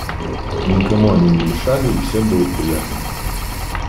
Никому они не мешали, и всем было приятно.